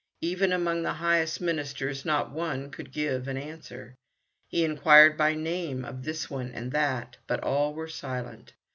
Even among the highest ministers not one could give an answer. He inquired by name of this one and that, but all were silent.